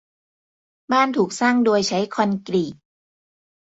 บ้านถูกสร้างโดยใช้คอนกรีต